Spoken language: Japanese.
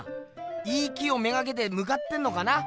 いい木を目がけてむかってんのかな？